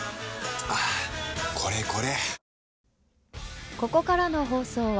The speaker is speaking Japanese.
はぁこれこれ！